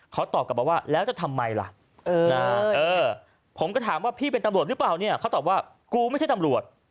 เขาตอบกลับมาว่าแล้วจะทำไมล่ะผมก็ถามว่าพี่เป็นตำรวจหรือเปล่าเนี่ยเขาตอบว่ากูไม่ใช่ตำรวจ